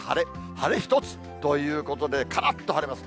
晴れ一つということで、からっと晴れます。